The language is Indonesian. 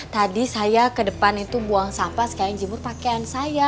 tadi saya ke depan itu buang sampah sekali jemur pakaian saya